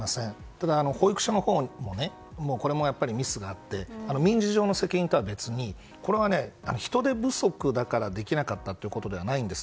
ただ保育所のほうもミスがあって民事上の責任とは別にこれは人手不足だからできなかったということではないんです。